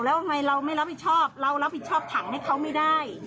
แล้วทำไมเราไม่รับผิดชอบเรารับผิดชอบถังให้เขาไม่ได้